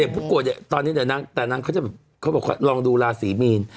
พุกรตอนนี้แต่นั้นเขาจะบอกว่าลองดูลาศรีมีน